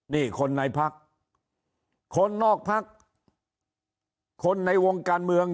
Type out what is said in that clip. นี่คนในภักดิ์คนนอกภักดิ์คนในวงการเมือง